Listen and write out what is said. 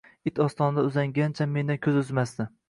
It ostonada uzangancha mendan ko`z uzmasdi